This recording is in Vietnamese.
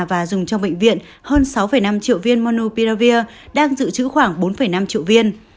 và dùng trong bệnh viện hơn sáu năm triệu viên monopia đang dự trữ khoảng bốn năm triệu viên